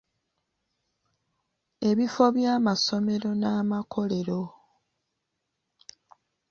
Ebifo by'amasomero n'amakolero.